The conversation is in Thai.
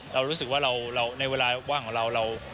เรารู้สึกว่าเราในเวลาว่างของเรา